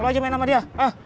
kalau aja main sama dia